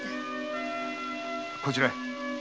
こちらへ